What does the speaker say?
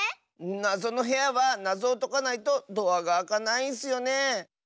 なぞのへやはなぞをとかないとドアがあかないんスよね。